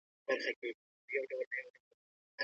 دا کار څنګه ترسره کيږي؟